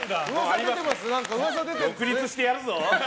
独立してやるぞー！